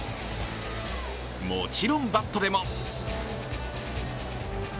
もちろんバットでも。